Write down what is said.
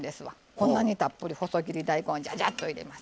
こんなにたっぷり細切り大根ジャジャッと入れます。